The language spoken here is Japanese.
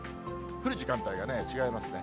降る時間帯が違いますね。